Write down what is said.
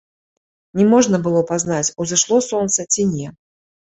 Не можна было пазнаць, узышло сонца ці не.